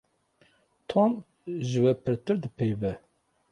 Tom ji we pirtir dipeyive.